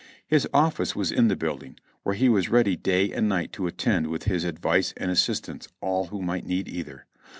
His office was in the building, where he was ready day and night to attend with his advice and assistance all who might need either.